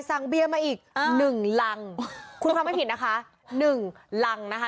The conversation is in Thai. สั่งเบียร์มาอีกอ่าหนึ่งลังคุณพร้อมไม่ผิดนะคะหนึ่งลังนะคะ